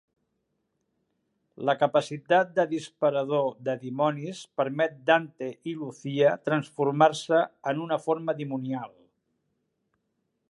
La capacitat de disparador de dimonis permet Dante i Lucia transformar-se en una forma dimonial.